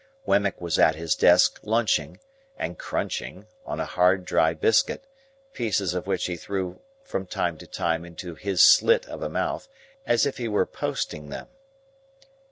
Wemmick was at his desk, lunching—and crunching—on a dry hard biscuit; pieces of which he threw from time to time into his slit of a mouth, as if he were posting them.